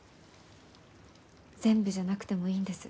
全部じゃなくてもいいんです。